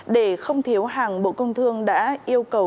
để không thiếu hàng bộ công thương đã yêu cầu